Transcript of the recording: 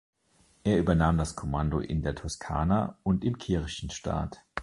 Er übernahm das Kommando in der Toscana und im Kirchenstaat.